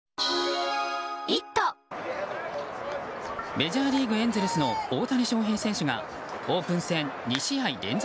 メジャーリーグエンゼルスの大谷翔平選手がオープン戦２試合連続